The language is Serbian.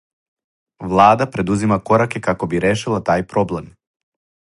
Влада предузима кораке да би решила тај проблем.